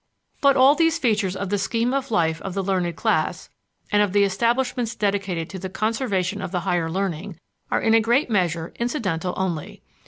But all these features of the scheme of life of the learned class, and of the establishments dedicated to the conservation of the higher learning, are in a great measure incidental only.